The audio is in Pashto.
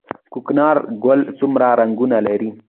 کوکنارو ګل څومره رنګونه لري؟